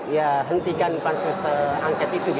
ya hentikan pansus angket itu